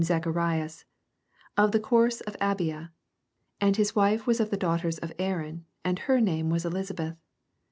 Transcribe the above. Zaoharias, of the course of Abia : and his wife was of the daugh ters of AaroQ, and her name toas Elisabeth.